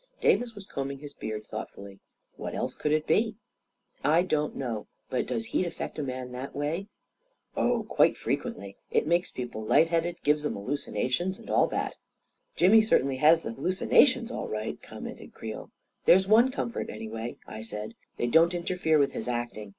" Davis was combing his beard thoughtfully. " What else could it be ?" he asked. " I don't know. But does heat affect a man that way?" 11 Oh, quite frequently. It makes people light headed — gives 'em hallucinations, and all that." "Jimmy certainly has the hallucinations, all right I " commented Creel. "There's one comfort, anyway," I said; "they don't interfere with his acting.